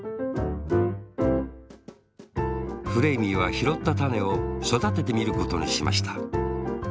フレーミーはひろったたねをそだててみることにしました